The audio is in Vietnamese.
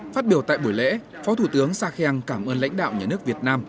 phát biểu tại buổi lễ phó thủ tướng sarkhang cảm ơn lãnh đạo nhà nước việt nam